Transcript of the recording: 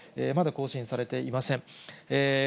まだ更新されていません。